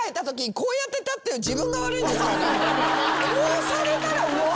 こうされたらわ！